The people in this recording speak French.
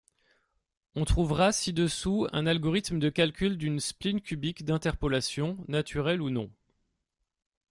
On trouvera ci-dessous un algorithme de calcul d'une spline cubique d'interpolation, naturelle ou non.